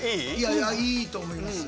いやいいと思いますよ。